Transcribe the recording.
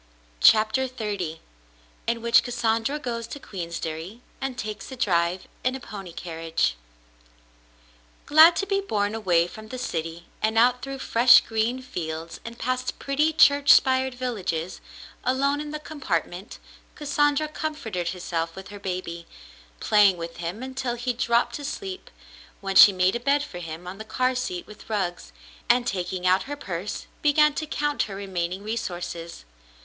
CHAPTER XXX IN WHICH CASSANDRA GOES TO QUEENSDERRY AND TAKES A DRIVE IN A PONY CARRIAGE Glad to be borne away from the city and out through fresh green fields and past pretty church spired villages, alone in the compartment, Cassandra comforted herself with her baby, playing with him until he dropped to sleep, when she made a bed for him on the car seat with rugs, and, taking out her purse, began to count her remaining resources.